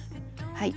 はい。